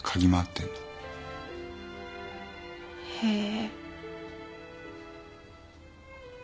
へえ。